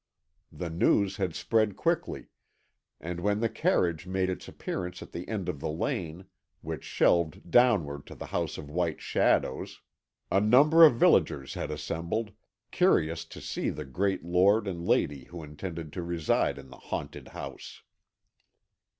The news had spread quickly, and when the carriage made its appearance at the end of the lane, which shelved downward to the House of White Shadows, a number of villagers had assembled, curious to see the great lord and lady who intended to reside in the haunted house.